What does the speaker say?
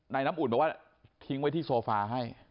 น้ำอุ่นบอกว่าทิ้งไว้ที่โซฟาให้